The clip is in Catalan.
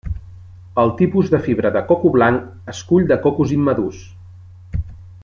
El tipus de fibra de coco blanc es cull de cocos immadurs.